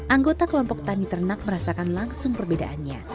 anggota kelompok tani ternak merasakan langsung perbedaannya